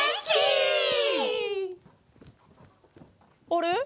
あれ？